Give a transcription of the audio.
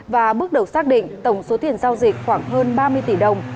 và bước đầu xác định tổng số tiền giao dịch khoảng hơn ba mươi tỷ đồng